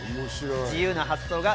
自由な発想が